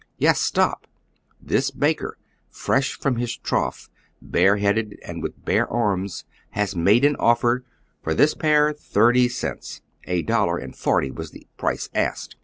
Yes, stop ! This baker, fresh from liis trough, bare headed and with bare ai'ms, has made an offer : for this pair thirty cents ; a dollar and forty was the price asked.